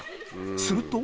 すると。